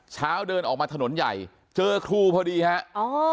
เช้าเดินออกมาถนนใหญ่เจอครูพอดีฮะอ๋อ